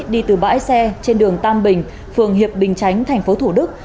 đi từ bãi xe trên đường tam bình phường hiệp bình chánh thành phố thủ đức